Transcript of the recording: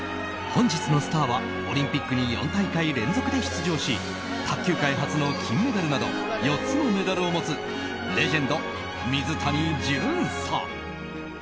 本日のスターはオリンピックに４大会連続で出場し卓球界初の金メダルなど４つのメダルを持つレジェンド、水谷隼さん。